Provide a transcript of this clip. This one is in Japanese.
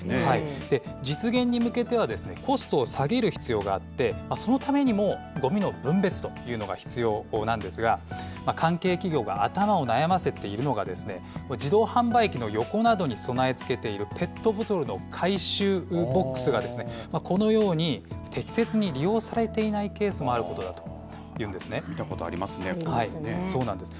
実現に向けては、コストを下げる必要があって、そのためにもごみの分別というのが必要なんですが、関係企業が頭を悩ませているのが、自動販売機の横などに備え付けているペットボトルの回収ボックスが、このように適切に利用されていないケースもあることだという見たことありますね、こういそうなんです。